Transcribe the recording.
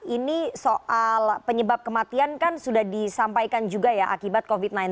ini soal penyebab kematian kan sudah disampaikan juga ya akibat covid sembilan belas